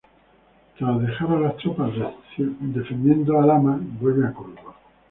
Tras dejar a las tropas defendiendo Alhama vuelve a Córdoba.